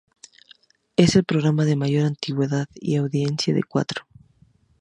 Es el programa de mayor antigüedad y audiencia de Cuatro.